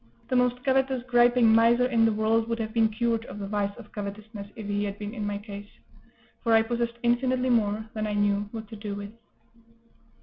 The most covetous, griping miser in the world would have been cured of the vice of covetousness if he had been in my case; for I possessed infinitely more than I knew what to do with.